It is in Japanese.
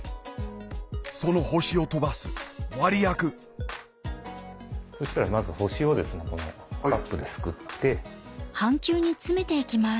その星を飛ばすそしたらまず星をカップですくって。